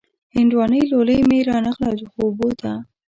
هندواڼۍ لولۍ مې را نغله خوبو ته